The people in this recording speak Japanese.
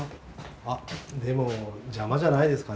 あっでも邪魔じゃないですかね？